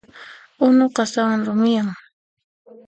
Unu qasawan rumiyan.